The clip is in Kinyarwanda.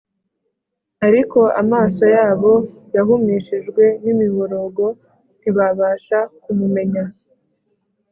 ariko amaso yabo yahumishijwe n’imiborogo ntibabasha kumumenya